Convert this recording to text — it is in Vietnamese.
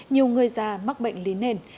nhiều người già mắc bệnh lý nền